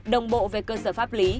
đồng bộ về cơ sở pháp lý